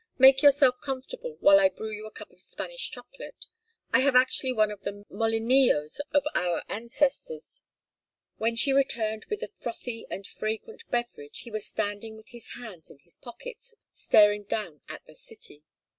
Make yourself comfortable while I brew you a cup of Spanish chocolate. I have actually one of the molinillos of our ancestors." When she returned with the frothy and fragrant beverage he was standing with his hands in his pockets staring down at the city.